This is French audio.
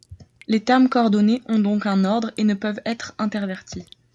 Les termes coordonnés ont donc un ordre et ne peuvent être intervertis.